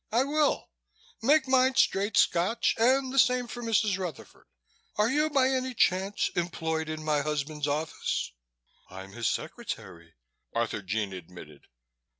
"I will. Make mine straight Scotch and the same for Mrs. Rutherford. Are you, by any chance, employed in my husband's office?" "I'm his secretary," Arthurjean admitted.